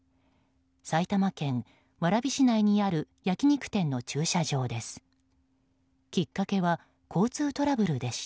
埼玉県蕨市内にある焼き肉店の駐車場です。